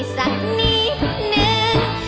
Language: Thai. สักนิดนึง